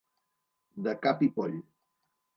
De cap i poll.